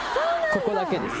ここだけです。